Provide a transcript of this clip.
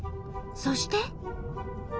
そして。